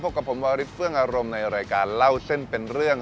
กับผมวาริสเฟื่องอารมณ์ในรายการเล่าเส้นเป็นเรื่อง